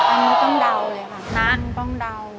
อันนี้ต้องเดาเลยค่ะนะต้องเดา